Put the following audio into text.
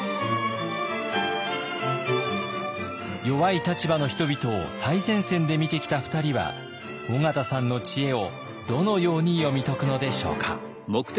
弱い立場の人々を最前線で見てきた２人は緒方さんの知恵をどのように読み解くのでしょうか。